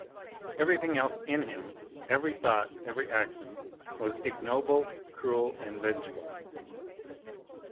Everything else in him, every thought, every action was ignoble, cruel and vengeful.